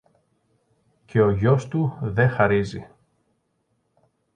και ο γιος του δε χαρίζει.